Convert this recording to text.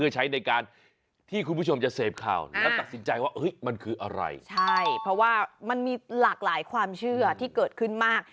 ใช่เพราะว่ามันมีหลากหลายความเชื่อที่เกิดขึ้นมาก